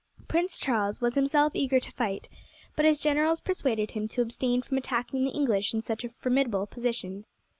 Prince Charles was himself eager to fight, but his generals persuaded him to abstain from attacking the English in such a formidable position.